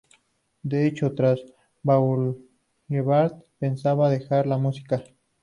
De hecho, tras "Boulevard" pensaba dejar la música.